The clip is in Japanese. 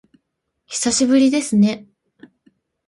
久しぶりですね